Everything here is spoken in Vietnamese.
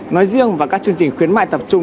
nói riêng và các chương trình khuyến mại tập trung